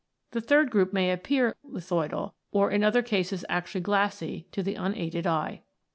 The third group may appear lithoidal, or in other cases actually glassy, to the unaided eye.